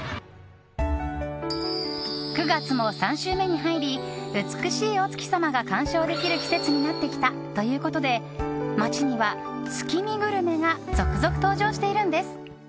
９月も３週目に入り美しいお月様が観賞できる季節になってきたということで街には月見グルメが続々登場しているんです！